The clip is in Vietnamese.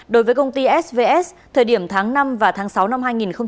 đối với công ty svs thời điểm tháng năm và tháng sáu năm hai nghìn một mươi bảy